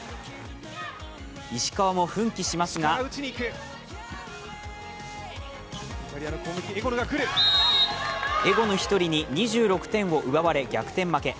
石川も奮起しますがエゴヌ１人に２６点を奪われ逆転負け。